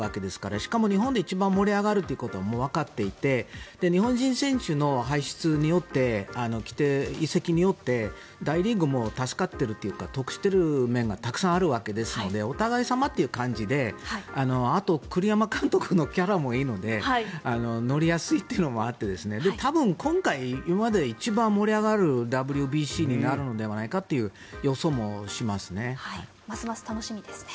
しかも、日本で一番盛り上がるということもわかっていて日本人選手の移籍によって大リーグも助かっているというか得している面がたくさんあるわけですのでお互い様という感じであと栗山監督のキャラもいいので乗りやすいというのもあって多分、今回今までで一番盛り上がるＷＢＣになるのではないかという予想もしますね。